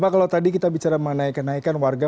pak kalau tadi kita bicara mengenai kenaikan warga